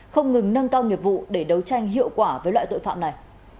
không ngừng nâng cao nghiệp vụ để đấu tranh hiệu quả với loại tội phạm này